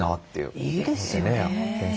いいですよね。